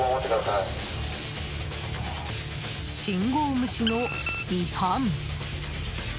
信号無視の違反。